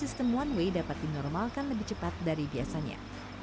sistem one way dapat dinormalkan lebih cepat dari biasanya